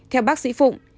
theo bác sĩ phụng